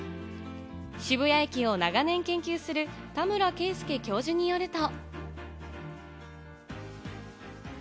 渋谷駅を長年研究する田村圭介教授によると。